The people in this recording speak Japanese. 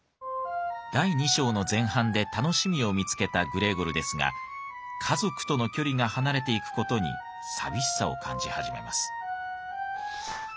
第２章の前半で楽しみを見つけたグレーゴルですが家族との距離が離れていく事に寂しさを感じ始めます。